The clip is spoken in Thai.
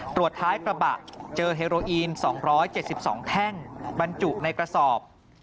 ตรวจท้ายกระบะเจอเฮโรอีนสองร้อยเจ็ดสิบสองแท่งบรรจุในกระสอบ